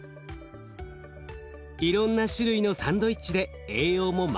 いろんな種類のサンドイッチで栄養も満点。